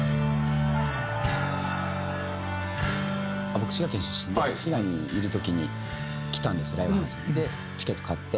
僕滋賀県出身で滋賀にいる時に来たんですライブハウス。でチケット買って。